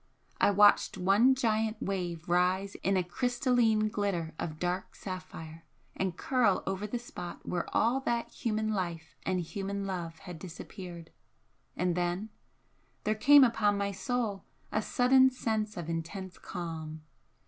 I watched one giant wave rise in a crystalline glitter of dark sapphire and curl over the spot where all that human life and human love had disappeared, and then there came upon my soul a sudden sense of intense calm.